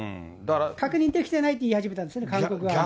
確認できてないって言い始めたんですね、韓国側も。